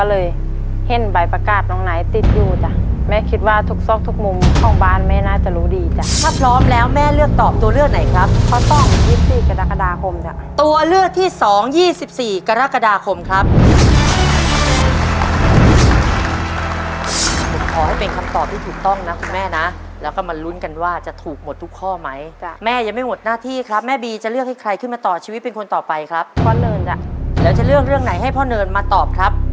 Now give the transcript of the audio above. เด็กหญิงชนะการได้รับรางวัลชนะเลิศกิจกรรมคัดลายมือสื่อภาษาในวันที่สอง๒๔กรกฎาคมตัวเลือกที่สอง๒๔กรกฎาคมตัวเลือกที่สอง๒๔กรกฎาคมตัวเลือกที่สอง๒๔กรกฎาคมตัวเลือกที่สอง๒๔กรกฎาคมตัวเลือกที่สอง๒๔กรกฎาคมตัวเลือกที่สอง๒๔กรกฎาคมตัวเลือกที่สอง๒๔กรกฎาคมตัวเลือกที่สอง๒๔กรกฎาคม